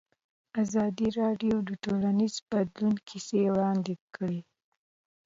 ازادي راډیو د ټولنیز بدلون کیسې وړاندې کړي.